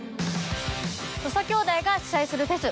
土佐兄弟が主催するフェス